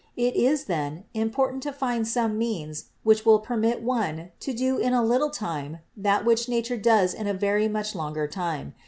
It is, then, important to find some means which will permit one to do in a little time that which Nature does in a very much longer time.